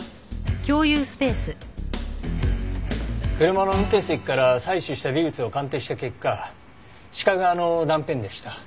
車の運転席から採取した微物を鑑定した結果鹿革の断片でした。